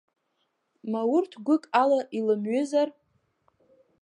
Ма урҭ гәык ала илымҩызар?